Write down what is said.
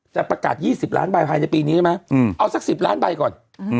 จะประกาศ๒๐ล้านใบภายในปีนี้ใช่ไหมเอาสัก๑๐ล้านใบก่อน